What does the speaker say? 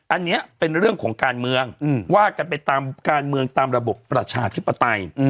อันนี้เป็นเรื่องของการเมืองว่ากันไปตามการเมืองตามระบบประชาธิปไตย